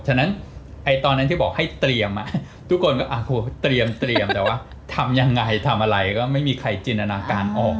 ฉะนั้นตอนนั้นที่บอกให้เตรียมทุกคนก็เตรียมแต่ว่าทำยังไงทำอะไรก็ไม่มีใครจินตนาการออก